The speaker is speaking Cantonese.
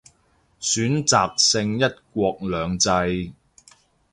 選擇性一國兩制